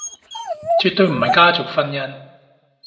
絕對唔係家族聯姻